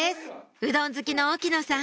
うどん好きの沖野さん